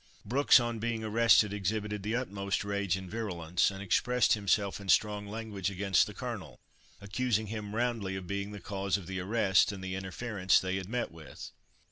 Brooks, on being arrested, exhibited the utmost rage and virulence, and expressed himself in strong language against the Colonel, accusing him roundly of being the cause of the arrest, and the interference they had met with.